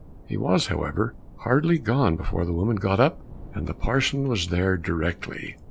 He was, however, hardly gone before the woman got up, and the parson was there directly.